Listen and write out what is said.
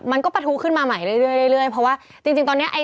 มันก็ประทุขึ้นมาใหม่เรื่อยเพราะว่าจริงตอนนี้